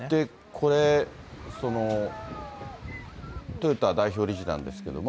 これ、豊田代表理事なんですけれども。